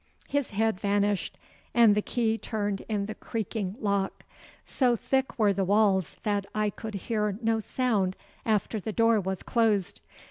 His head vanished, and the key turned in the creaking lock. So thick were the walls that I could hear no sound after the door was closed.